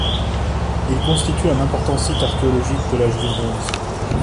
Il constitue un important site archéologique de l'âge du bronze.